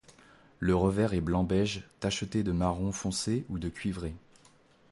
Le revers est blanc beige tacheté de marron foncé ou de cuivré.